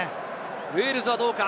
ウェールズはどうか？